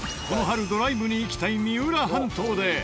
この春ドライブに行きたい三浦半島で。